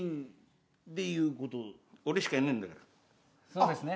そうですね。